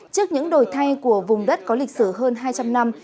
trước những đổi thay của vùng đất có lịch sử hơn hai trăm linh năm